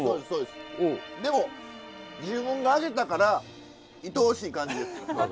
でも自分が揚げたからいとおしい感じです。